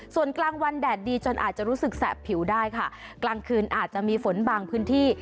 ส่วนกลางวันแดดดีจนอาจจะรู้สึกแสบผิวได้ค่ะกลางคืนอาจจะมีฝนบางพื้นที่